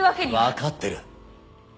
分かってる。